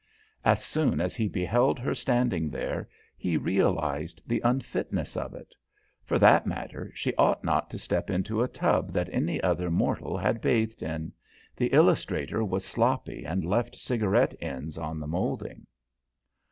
As soon as he beheld her standing there, he realized the unfitness of it. For that matter, she ought not to step into a tub that any other mortal had bathed in; the illustrator was sloppy and left cigarette ends on the moulding.